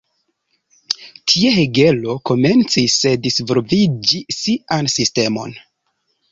Tiel Hegelo komencis disvolviĝi sian sistemon.